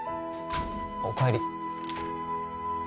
お帰り